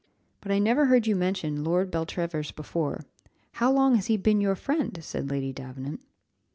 "But I never heard you mention Lord Beltravers before. How long has he been your friend?" said Lady Davenant.